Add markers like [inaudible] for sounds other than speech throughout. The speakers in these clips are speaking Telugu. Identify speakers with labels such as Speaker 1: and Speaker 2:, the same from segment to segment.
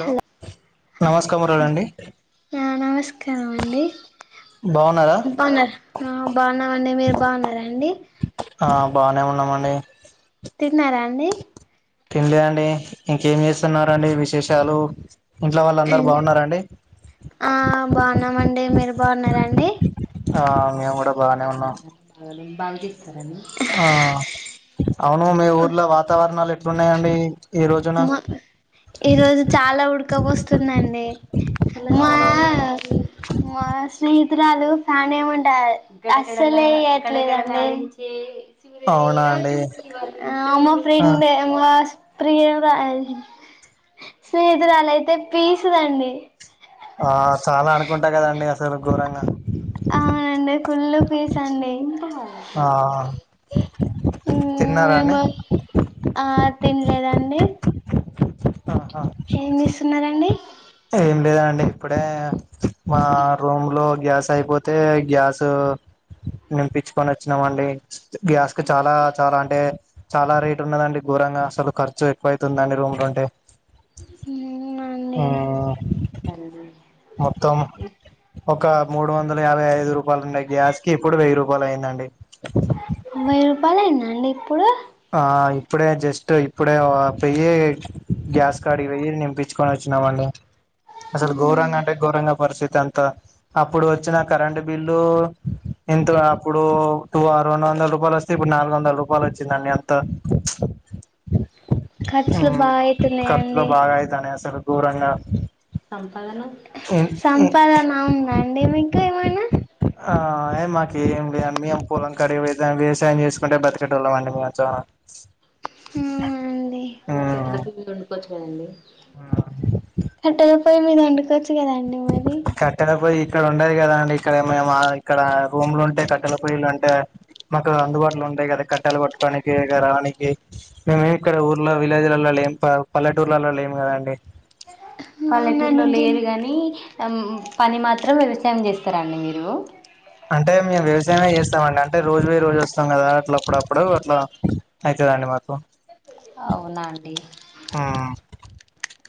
Speaker 1: హలో
Speaker 2: నమస్కారములండి
Speaker 1: ఆ నమస్కారం అండి
Speaker 2: బాగున్నారా
Speaker 1: బాగున్నార ఆ బాగున్నామండి మీరు బాగున్నరండి
Speaker 2: ఆ బానే ఉన్నామండి
Speaker 1: తిన్నారా అండి
Speaker 2: తిన్లే అండి ఇంకేం చేస్తున్నారండి విశేషాలు ఇంట్లో వాళ్ళందరూ బాగున్నారండి
Speaker 1: బాగున్నారండి
Speaker 2: ఆ మేము కూడా
Speaker 1: బాగున్నారా
Speaker 2: బాగానే ఉన్నాం
Speaker 1: బాగున్నారా బాగాలేం
Speaker 2: ఆ అవును మీ ఊర్లో వాతావరణాలు ఎట్ ఎట్లునాయండి
Speaker 1: మా ఈరోజు చాలా ఉడకబోస్తుందండి మా
Speaker 2: అవునా అండి
Speaker 1: మా స్నేహితు స్నేహితురాలు ఫ్యాన్ ఏయాంటే అస్సలేయట్లేదు అండి
Speaker 2: అవునా అండి
Speaker 1: అమ్మ
Speaker 2: ఆ
Speaker 1: ఫ్రెండే మోస్త్ ప్రియం స్నేహితురాలయితే పీసుదండి
Speaker 2: ఆ చాలా అనుకుంటా కదండి అసలు ఘోరంగా
Speaker 1: అవునండి ఫుల్ పీస్ అండి
Speaker 2: ఆ
Speaker 1: మ్మ్
Speaker 2: తిన్నారా
Speaker 1: మేమ్
Speaker 2: అండి
Speaker 1: ఆ తినలేదండి
Speaker 2: ఆహా
Speaker 1: ఏం తీస్ స్తున్నారంండి
Speaker 2: ఏం లేద అండి ఇప్పుడే మా రూమ్ లో గ్యాస్ అయిపోతే గ్యాస్ నింపించుకొని వచ్చినంండి గ్యాస్ కి చాలా చాలా అంటే చాలా రేట్ ఉన్నదండి ఘోరంగా అసలు ఖర్చు ఎక్కువ అవుతుందండి రూమ్ లోంటే
Speaker 1: మ్మ్ అండి సరే
Speaker 2: మొత్తం ఒక మూడు వందల యాభై ఐదు రూపాయలు ఉన్నాయి గ్యాస్ కి ఇప్పుడు వెయ్యి రూపాయలు అయిిందండి
Speaker 1: మీరు బల అందండి ఇప్పుడు
Speaker 2: ఆ ఇప్పుడే జస్ట్ ఇప్పుడే పెయ్యి గ్యాస్ కార్డ్ కి పోయి నింపించుకొని వచ్చినామండి అసలు గౌరంగ అంటే గౌరంగ పరిస్థితి అంతా అప్పుడు వచ్చిన కరెంట్ బిల్లు ఇంటరప్పుడు టు ఆరు రెడు వందల రూపాయలు వస్తే ఇప్పుడు నాలుగు వంద రూపాయలు వచ్చిందండి. అంత
Speaker 1: ఖర్చులు బాగయితున్నాయండి.
Speaker 2: గోరంగా
Speaker 1: సం పాదన సంపాదన ఉందా అండి మీకు ఏమైనా
Speaker 2: ఆ అయ్ మాకేమి లే అన్ని మేము పొలం కాడిగి వ్యవసాయం చేసుకుంటే బ్రతికేటోల్లం అండి మేము యాక్చ్వాల్గా
Speaker 1: ఊ అండి. దాండి. అంటే పోయి మీద వండుకొచ్
Speaker 2: కట్టెల పొయ్యి ఇక్కడ ఉండది కదా ఇక్కడ మేము ఆ ఇక్కడ రూమ్లు ఉంటే కట్టెల పొయ్యిలు అంటే మాకు అందుబాటులో ఉంటాయి కదా కట్టేలు కోట్టుకోనికి ఇగ రావడానికి మేమేమి ఇక్కడ ఊర్లో విలేజ్లల్లో లేం పల్లెటూర్లలో లేము కదండి.
Speaker 1: పల్లెటూర్లో లేరు గాని పని మాత్రం వ్యవసాయం చేస్తారాండి మీరు
Speaker 2: అంటే మేము వ్యవసాయమే చేస్తామ అండి అంటే రోజు పోయి రోజు వస్తాం కదా అట్లా అప్పుడప్పుడు అట్లా అయితందండి మాకు
Speaker 1: అవునా ఆండి.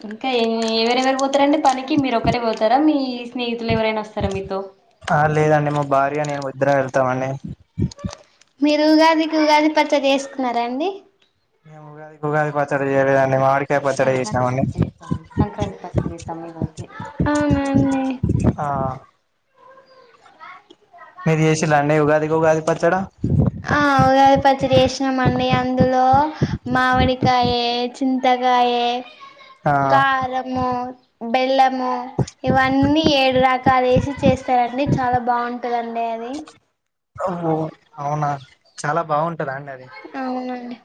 Speaker 1: ఇంకా ఏమి ఏవరేవరు పోతారండి. పనికి మీరు ఒకరే పోతారా మీ స్నేహితులు ఎవరైనా వస్తారా మీతో
Speaker 2: ఆ లేదండి మా భార్య నేను ఇద్దరం వెళ్తామండి.
Speaker 1: మీరు ఉగాదికి ఉగాది పచ్చడి చేసుకున్నారాండి.
Speaker 2: మేము ఉగాదికి ఉగాది పచ్చడిచేయలేదండి మామిడి కా
Speaker 1: ఆ మేమ్లే
Speaker 2: ఆ మీరు చచేసిర్రా అండి ఉగాదికిఉగాది పచ్చడ
Speaker 1: ఆ ఉగాది పచ్చడి చేసినామండి అందులో మామిడికాయే చింతకాయే
Speaker 2: ఆ
Speaker 1: కారము బెల్లము ఇవన్నీ ఏడు రకాలు వేసి చేస్తారండి చాలా బాగుంటదండి అది
Speaker 2: అవునా చాలా బాగుంట టద అది
Speaker 1: అవునండి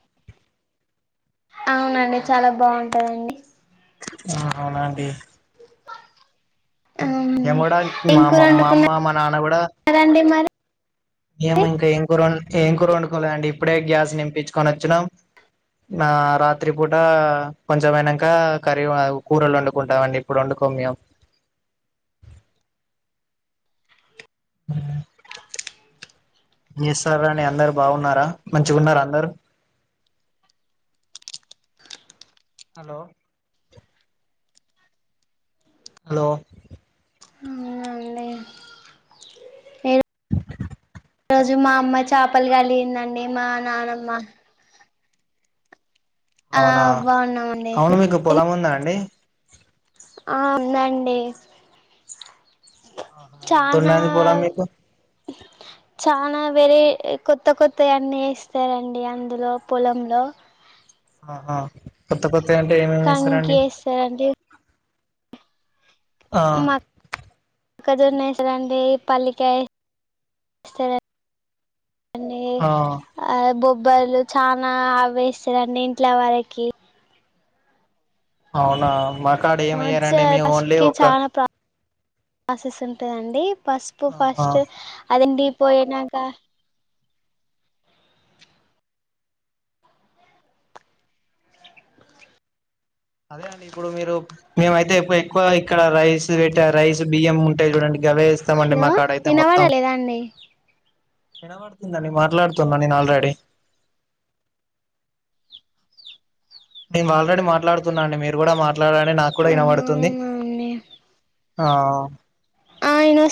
Speaker 1: అవునండి
Speaker 2: ఆ
Speaker 1: చాలా బాగుంటదండి
Speaker 2: అవునా అండి
Speaker 1: అవునండి
Speaker 2: మేము కూడా
Speaker 1: ఏం
Speaker 2: మా
Speaker 1: కూర
Speaker 2: మామ మా అమ్మ
Speaker 1: వండుకున్నారండి
Speaker 2: మా నాన్న కూడా
Speaker 1: మరి
Speaker 2: మేము ఇంకా ఏం కూర ఏం కూర వండుకోలేండి ఇప్పుడే గ్యాస్ నింపించుకొని వచ్చినామ్ నా రాత్రి పూట కొంచమైనంక కర్రీ కూరలు వండుకుంటామండి ఇప్పుడు వండుకోమ్ మేము ఆ ఏంచేస్తారాండి అందరు బాగున్నారా మంచిగున్నారా అందరూ హలో హలో
Speaker 1: అవునండి ఈ రోజు మా అమ్మ చాపలు కలిగిందండి మా నానమ్మ ఆ
Speaker 2: అవునా
Speaker 1: బాగున్నామండి
Speaker 2: అవును మీకు పొలం ఉందా అండి
Speaker 1: ఆ వుందండి
Speaker 2: ఎంత ఉండది పొలం మీకు
Speaker 1: చానా వేరే కొత్త కొత్త అన్నీ వేస్తారండి అందులో పొలంలో
Speaker 2: ఆహ కొత్త కొత్త అంటే ఏమేమి
Speaker 1: కంకి
Speaker 2: వేస్తారండి
Speaker 1: వేస్తారు
Speaker 2: ఆ
Speaker 1: మొక్కజొన్న వేస్తారండి పల్లికాయ వేస్త అ
Speaker 2: ఆ
Speaker 1: ఆ బో బ్బర్లు చనా అ్వేస్తారండి ఇంట్ల వరకి
Speaker 2: అవునా మాకు కాడ ఏమయ్యారండి మీము ఓన్లీ ఒక
Speaker 1: ఆసెస్ ఉంటాదండి పసుపు
Speaker 2: ఆహా
Speaker 1: ఫస్ట్ అదండీ పోయినాక
Speaker 2: అదే అండి ఇప్పుడు మీరు మేమయితే ఎక్కువ ఎక్కువ ఇక్కడ రైస్ పెట్ట రైస్ బియ్యం ఉంటాయి చూడండి గవే వేస్తామండి
Speaker 1: హలో
Speaker 2: మా కాడైతే
Speaker 1: ఇనపడ
Speaker 2: మొత్తం
Speaker 1: లేదా అండి
Speaker 2: వినబడుతుందండి మాట్లాడుతున్నా నేను ఆల్రెడీ నేను ఆల్రెడీ మాట్లాడుతున్నా అండి మీరు కూడా మాట్ మాట్లాడనే నాకు కూడా
Speaker 1: ఆహా
Speaker 2: వినబడుతుంది
Speaker 1: అవునా అండి
Speaker 2: ఆ
Speaker 1: ఆ ఇను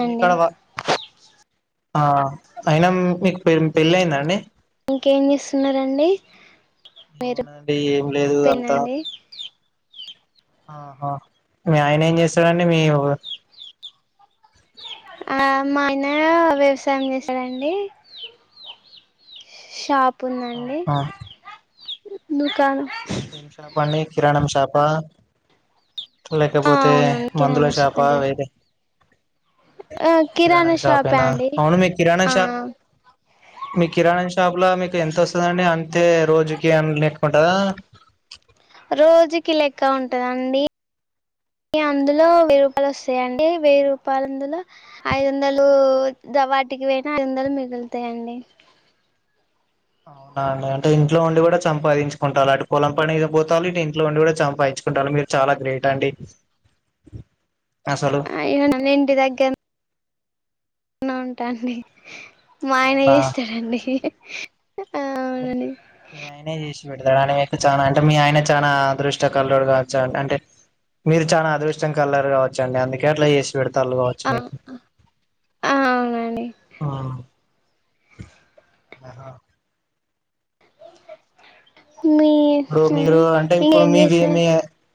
Speaker 2: ఇంటికాడ వర్క్ ఆ అయినా మీకు పెళ్ళి అయిందండి
Speaker 1: ఇంకేం చేస్తున్నారండి మీరు
Speaker 2: ఏమి లేదు అంతా
Speaker 1: పోయిందండి
Speaker 2: ఆహా మీ ఆయన ఏం చేస్తాడండి మీ
Speaker 1: ఆ మా ఆయన వ్యవసాయం చేస్తాడండీ షాప్ పుందండి
Speaker 2: ఆహా
Speaker 1: దుకాన
Speaker 2: చెప్పండి కిరాణం శాప
Speaker 1: ఆ
Speaker 2: లేకపోతే
Speaker 1: అవునండి
Speaker 2: మందుల
Speaker 1: కిరాణా
Speaker 2: చేప వేరే
Speaker 1: ఆ కిరాణా
Speaker 2: కిరాణం
Speaker 1: షాపే
Speaker 2: షాపేనా
Speaker 1: అండి
Speaker 2: అవును
Speaker 1: ఆ
Speaker 2: మీ కిరాణ షాప్ లా మీ ఎంత వస్తదండి అంతే రోజుకి ఆన్ లెక్ కొంటారా
Speaker 1: రోజుకి లెక్క ఉంటదండి అందులో వెయ్యి రూపాయలు వస్తాయిడి వెయ్యి రూపాయలందులో ఐదు వందలు ద వాటికి వెయినా ఐదు వందలు మిగులుతాయండి.
Speaker 2: అవునా అండి అంటే ఇంట్లో ఉండి కూడా సంపాదించుకుంటారు అటు పొలం పని పోతారు ఇ ఇంట్లో ఉండి కూడా చంపాదించుకుంటారు మీరు చాలా గ్రేట్ అండి. అసలు
Speaker 1: అయన నన్నింటి దగ్గ న్ ఉంటాండి మా ఆయన
Speaker 2: అవునా
Speaker 1: చేస్తాాడండి.
Speaker 2: మీ ఆయనే జేసి డతాడు అని మీకు చానా అంటే మీ ఆయన చానా అదృష్ట కల్లోడు గావచ్చా అంటే మీరు చాలా అదృష్టం కలర్ గావచ్చండి అందుకే అట్ల జేసిండు పెడతాళ్లు గావచ్చ
Speaker 1: ఆ
Speaker 2: ఎగ్
Speaker 1: అవునండి
Speaker 2: ఆహా
Speaker 1: మీ
Speaker 2: ఇప్పుడు మీరు అంటే ఇప్పుడు
Speaker 1: ఇంకేం
Speaker 2: మీ వి
Speaker 1: జేస్తరు
Speaker 2: మీ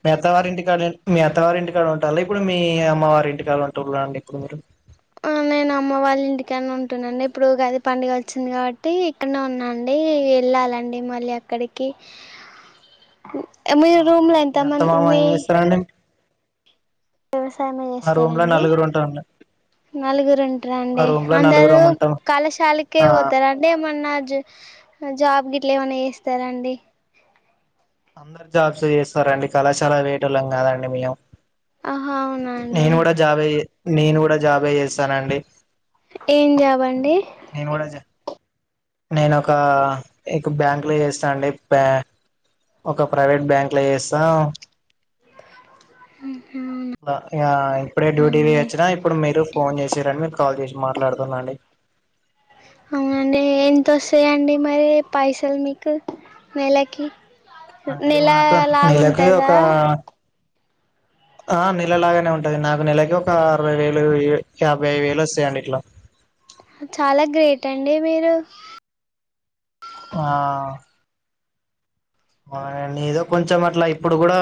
Speaker 2: మీ అత్త వారి ఇంటికాడ మీ అత్త వారి ఇంటి కాడ ఉంటాల్లా ఇప్పుడు మీ అమ్మవారి ఇంటికి కాళ్ళ ఉంటుర్రా అండి ఇప్పుడు మీరు
Speaker 1: ఆ.. నేను అమ్మ వాళ్ళ ఇంటికాన్నె ఉంటున్నాండి ఇప్పుడు ఉగాది పండుగ వచ్చింది కాబట్టి ఇక్కడనే ఉన్నాండి వెళ్ళాలండి మళ్ళీ అక్కడికి ఎ మీ రూమ్
Speaker 2: ఆహా
Speaker 1: లా ఎంత
Speaker 2: మీ అత్త
Speaker 1: మంది
Speaker 2: మామ
Speaker 1: మీ
Speaker 2: ఏం చేస్తారండి
Speaker 1: వ్యవసాయమే
Speaker 2: మా రూమ్ లో
Speaker 1: జేస్తారండి.
Speaker 2: నలుగురు ఉంటాండి
Speaker 1: నలుగురు
Speaker 2: మా
Speaker 1: ఉంట్రాండి
Speaker 2: రూమ్ లో
Speaker 1: అందరూ
Speaker 2: నలుగురం ఉంటాం
Speaker 1: కళాశాలకే
Speaker 2: ఆ
Speaker 1: పోతారు అంటే ఏమన్న జ జాబ్ గిట్లా ఏమన్న జేస్తారాండి
Speaker 2: అందరు జాబ్స్ చేస్తారండి కళాశాల వెళ్ళేటొళ్లం కాదండి మేము
Speaker 1: ఆహా అవునా అండి
Speaker 2: నేను గూడా జాబే నేను గూడా జాబే జేస్తానండి.
Speaker 1: ఏం జాబ్ అండి
Speaker 2: జ నేను ఒక ఇక్ బ్యాంక్లో జేస్తా అండి ఒక ప్రైవేట్ బ్యాంక్లో జేస్తా
Speaker 1: హా
Speaker 2: ఇగ ఇప్పుడే డ్యూటీ దిగి వచ్చినా ఇప్పుడు మీరు ఫోన్ జేసిర్ మీకు కాల్ చేసి మాట్లాడుతున్నాండి
Speaker 1: చేయండి మరి పైసలు మీకు నెలకి
Speaker 2: అంటే
Speaker 1: నెల
Speaker 2: మాకు నెలకి ఒక
Speaker 1: లాగుంటదా
Speaker 2: ఆ నెలలాగానే ఉంటాది నాకు నెలకి ఒక అరవై వేలు యాభై వేలు వస్తాయండి ఇట్లా
Speaker 1: సండే మీరు
Speaker 2: ఆ అవుండి ఏదో కొంచెం అట్లా ఇప్పుడు గూడా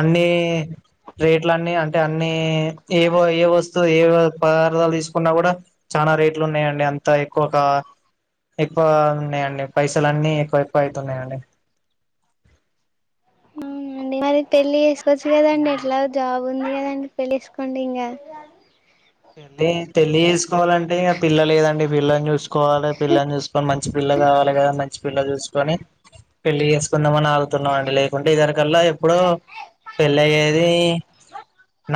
Speaker 2: అన్ని రేట్లన్ని అంటే అన్ని ఏవో ఏ వస్తువు ఏవో పదార్థాలు తీసుకున్నా కూడా చాలా రేట్లు ఉన్నాయండి అంత ఎక్కువ కా ఎక్కువ ఉన్నాయండి పైసలున్ని ఎక్కువ ఎక్కువ అయితున్నాయండి
Speaker 1: అవున అండి మరి పెళ్లి చేసుకోవచ్చు కదండి ఎట్లా జాబ్ ఉంది గదండి పెళ్లి చేసుకోండి ఇంగ
Speaker 2: పెళ్లి చేసుకోవాలంటే ఇంక పిల్ల లేదండి పిల్లని చూసుకోవాలి పిల్లని చూసుకొని మంచి పిల్ల కావాలి కదా మంచి పిల్ల చూసుకొని పెళ్లి చేసుకుందాంమని ఆగుతున్నాం అండి లేకుంటే యిదవరి కల్లా ఎప్పుడో పెళ్ళయ్యేది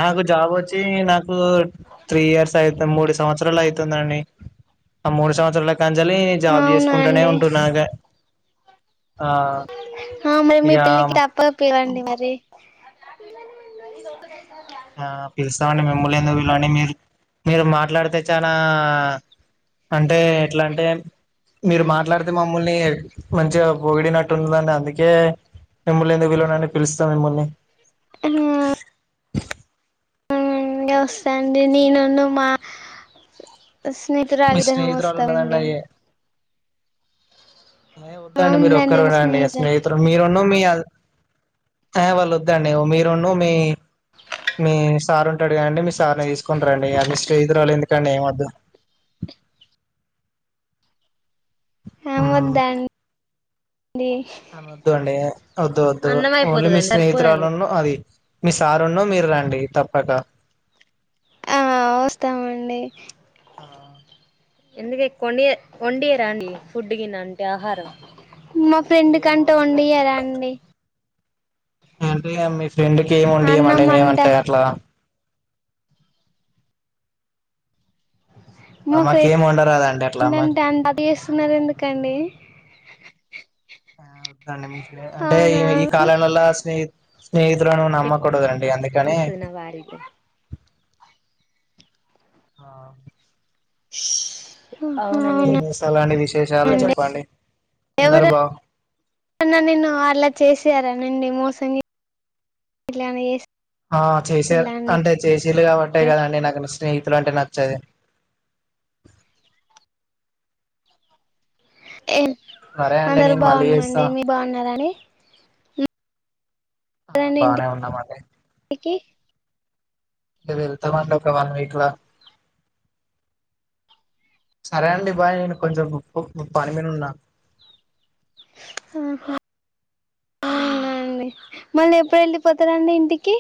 Speaker 2: నాకు జాబ్ వచ్చి నాకు
Speaker 1: [inaudible]
Speaker 2: త్రీ ఇయర్స్ అయితు మూడు సంవత్సరాలు అవుతుందండి ఆ మూడు సంవత్సరాల కాజలి జాబ్
Speaker 1: అవునా
Speaker 2: చేసుకుంటూనే
Speaker 1: అండి
Speaker 2: ఉంటున్నాగా ఆ
Speaker 1: ఆ మ మీ
Speaker 2: ఇక
Speaker 1: పెళ్లికి తప్ప పిలవండి మరి [unintelligible]
Speaker 2: ఆ పిలుస్తామండి మిమ్ముల్ని ఎందుకు పిలువని మీరు మాట్లాడితే చానా అంటే ఎట్లా అంటే మీరు మాట్లాడితే మమ్ముల్ని మంచిగా పొగిడినట్టుండదండి అందుకే మిమ్మల్ని ఎందుకు విలువనండి పిలుస్తా మిమ్మల్ని
Speaker 1: హమ్ ఇగా వస్తాండి నేనును మా స్నేహితురాల
Speaker 2: మీ
Speaker 1: ఇద్దరం
Speaker 2: స్నేహితురాలు
Speaker 1: వస్తాం
Speaker 2: ఉన్నదండి
Speaker 1: అండి
Speaker 2: ఏ వద్దాండి మీరు
Speaker 1: ఉందండి
Speaker 2: ఒక్కరు
Speaker 1: మా
Speaker 2: రాండి
Speaker 1: స్నేహితులు
Speaker 2: స్నేహితుడు మీరున్న మీ ఆ వాళ్ళ వద్దండి మీరున్న మీ మీ సార్ ఉంటాడు కాండి మీ సార్ని తీస్ సుకొని రండి ఆ మి స్నేహితురాలు ఎ వదండి ఏం వద్దు
Speaker 1: ఆ వద్దా అం
Speaker 2: అమే వద్దు అండి వద్దు వద్దు
Speaker 1: అన్నం
Speaker 2: ఓన్లీ మీ
Speaker 1: అయిపోతదండి సరిపోదండి
Speaker 2: స్నేహితురాలును అది మీ సారు ను మీరు రండి తప్పక
Speaker 1: ఆ వస్తామండి ఎందుకే కొండ కొండియరా అండి ఫుడ్ కిన్న అంటే ఆహారం మా ఫ్రెండ్
Speaker 2: ఏమో
Speaker 1: కంట
Speaker 2: ఉండలే
Speaker 1: వండియరా అండి
Speaker 2: అంటే ఇగ మీ ఫ్రె ఫేండుకి ఏమ్ వండి ఇయమండి
Speaker 1: అన్నం
Speaker 2: మేము
Speaker 1: అంట
Speaker 2: అట్లా
Speaker 1: మా
Speaker 2: అమ్మాకి
Speaker 1: ఫ్రెండ్
Speaker 2: ఏం వండరదాంట అట్లా అమె
Speaker 1: న్నారు ఎందుకండి
Speaker 2: ఆ వద్దండి మీ అంటే ఈ
Speaker 1: అవునా
Speaker 2: ఈ కాలంలోలో స్నేహి స్నేహితులను నమ్మకూడదండి అందుకని
Speaker 1: తెలుస్తది నా వారికి
Speaker 2: ఆ
Speaker 1: ఉష్ అవునా
Speaker 2: ఇంకేం చేస్తాలండి విశేషాలు చెప్పండి అందరు
Speaker 1: ఎవరు
Speaker 2: బా
Speaker 1: న్నా నిన్ను అట్లా చేసారా అవునండి మోసం చే
Speaker 2: ఆ చేసారు అంటే చెసిలు కాబట్టే కదండి నాకు స్నేహి ఇలా అంటే నచ్చది
Speaker 1: ఎ
Speaker 2: సరే అండి
Speaker 1: అందరు
Speaker 2: నేను మళ్ళీ చేస్తా
Speaker 1: బాగున్నామండి మీ బాగున్నారా అండి
Speaker 2: ఆ
Speaker 1: రండి
Speaker 2: బానే ఉన్నాం అండి
Speaker 1: ఇంటికి
Speaker 2: వెళ్తామండి ఒక వన్ వీక్లా సరే అండి బాయ్ నేను కొంచెం పని మీద ఉన్నా
Speaker 1: ఆండి మళ్ళీ ఎప్పుడు వెళ్ళిపోతారండి ఇంటికి